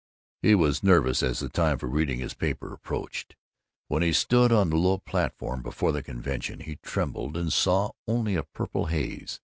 He was nervous as the time for reading his paper approached. When he stood on the low platform before the convention, he trembled and saw only a purple haze.